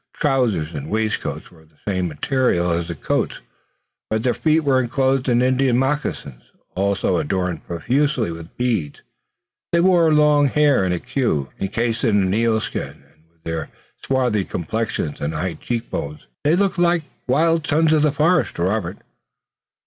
Trousers and waistcoats were of the same material as the coats, but their feet were inclosed in Indian moccasins, also adorned profusely with beads. They wore long hair in a queue, incased in an eel skin, and with their swarthy complexions and high cheek bones they looked like wild sons of the forest to Robert.